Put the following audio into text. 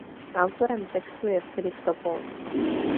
Autorem textu je Filip Topol.